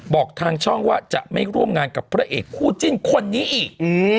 บอกทางช่องว่าจะไม่ร่วมงานกับพระเอกคู่จิ้นคนนี้อีก